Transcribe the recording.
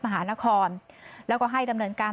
มหานครแล้วก็ให้ดำเนินการ